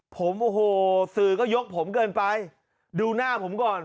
ผมโอ้โหสื่อก็ยกผมเกินไปดูหน้าผมก่อน